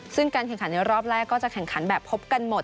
ซึ่งการแข่งขันในรอบแรกก็จะแข่งขันแบบพบกันหมด